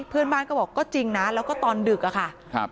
เพื่อนบ้านก็บอกก็จริงนะแล้วก็ตอนดึกอะค่ะ